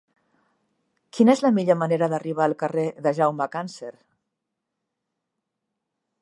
Quina és la millor manera d'arribar al carrer de Jaume Càncer?